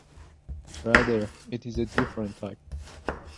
Rather, it is a different type.